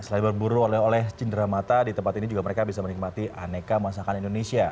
selain berburu oleh oleh cindera mata di tempat ini juga mereka bisa menikmati aneka masakan indonesia